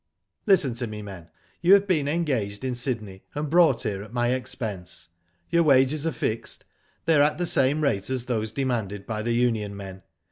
Listen to me, men. You have been engaged in Sydney, and brought here at my expense. Your wages are fixed. They are at th^ same rate as those demanded by the union men.